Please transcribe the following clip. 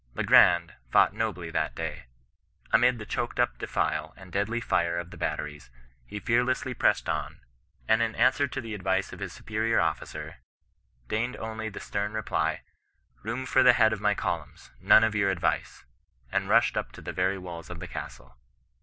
Le Grand fought nobly that day. Amid the choked up defile and deadly fire of the bat teries, he fearlessly pressed on, and in answer to the advice of his superior ofiicer, deigned only the stem reply, ' Room for the head of my columns — none of your advice/ and rushed up to the very walls of the castle.